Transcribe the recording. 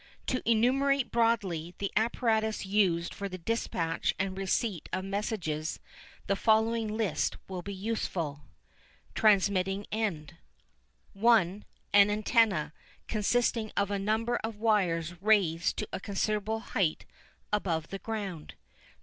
To enumerate broadly the apparatus used for the dispatch and receipt of messages the following list will be useful: Transmitting End (1) An Antenna, consisting of a number of wires raised to a considerable height above the ground.